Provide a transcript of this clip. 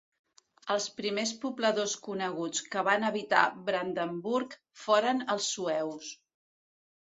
Els primers pobladors coneguts que van habitar Brandenburg foren els sueus.